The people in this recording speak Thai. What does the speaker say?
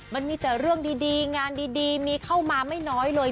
มันมีแต่เรื่องดีงานดีมีเข้ามาไม่น้อยเลย